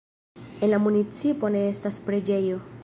En la municipo ne estas preĝejo.